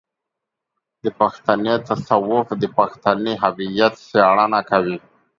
د پښتني تصوف د پښتني هويت څېړنه کوي.